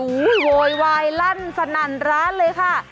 โอ้โหโวยวายลั่นสนั่นร้านเลยค่ะ